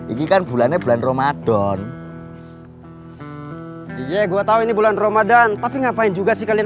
ini kan bulannya bulan ramadan iya gue tahu ini bulan ramadan tapi ngapain juga sih kalian